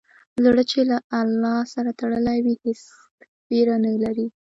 زړه چې له الله سره تړلی وي، هېڅ ویره نه لري.